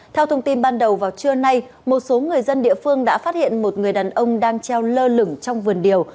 theo thông tin ban đầu vào trưa nay một số người dân địa phương đã phát hiện một người đàn ông đang treo lơ lửng trong vườn điều